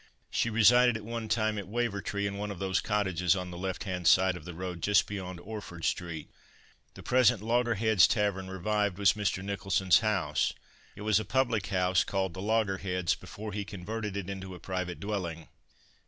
She resided at one time at Wavertree, in one of those cottages on the left hand side of the road just beyond Orford street. The present "Loggerheads Tavern Revived" was Mr. Nicholson's house. It was a public house, called "The Loggerheads" before he converted it into a private dwelling.